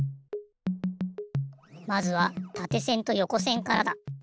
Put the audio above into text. まずはたてせんとよこせんからだ。